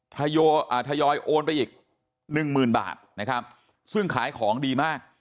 ทยอยโอนไปอีกหนึ่งหมื่นบาทนะครับซึ่งขายของดีมาก